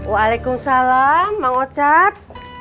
waalaikumsalam mang ocat